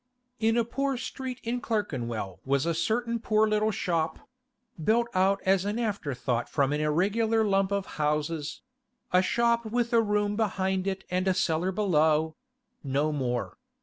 In a poor street in Clerkenwell was a certain poor little shop—built out as an afterthought from an irregular lump of houses; a shop with a room behind it and a cellar below; no more.